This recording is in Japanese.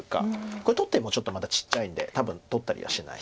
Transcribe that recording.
これ取ってもちょっとまだちっちゃいんで多分取ったりはしない。